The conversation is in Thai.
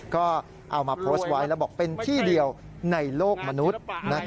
ก็เอามาโพสต์ไว้แล้วบอกเป็นที่เดียวในโลกมนุษย์